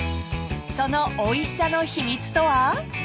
［そのおいしさの秘密とは］